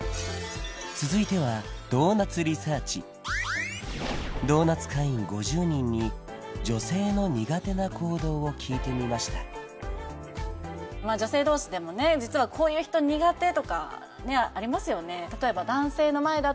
続いてはドーナツ会員５０人に女性の苦手な行動を聞いてみました女性同士でもね実はこういう人苦手とかねありますよね